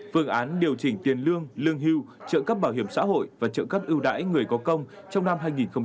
phương án điều chỉnh tiền lương lương hưu trợ cấp bảo hiểm xã hội và trợ cấp ưu đãi người có công trong năm hai nghìn hai mươi